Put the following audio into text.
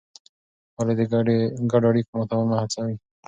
ولې د ګډو اړیکو ماتول مه هڅوې؟